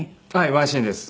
ワンシーンです。